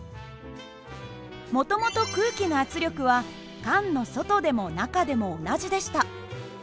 もともと空気の圧力は缶の外でも中でも同じでした。